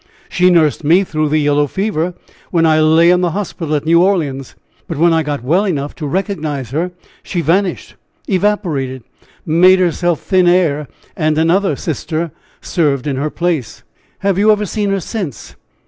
She nursed me through the yellow fever, when I lay in the hospital at New Orleans, but when I got well enough to recognize her she vanished evaporated made herself 'thin air,' and another Sister served in her place." "Have you ever seen her since?"